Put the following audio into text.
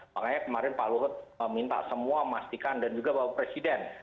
makanya kemarin pak luhut minta semua memastikan dan juga bapak presiden